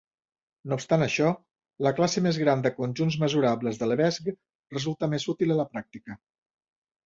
No obstant això, la classe més gran de conjunts mesurables de Lebesgue resulta més útil a la pràctica.